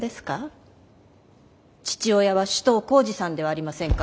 父親は首藤幸次さんではありませんか？